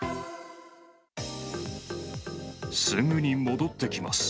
すぐに戻ってきます。